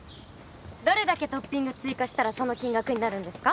どれだけトッピング追加したらその金額になるんですか？